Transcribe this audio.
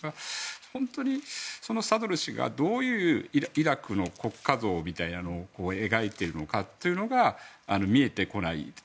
本当に、サドル師がどういうイラクの国家像みたいなのを描いているかが見えてこない。